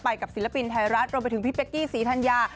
กับศิลปินไทยรัฐรวมไปถึงพี่เป๊กกี้ศรีธัญญา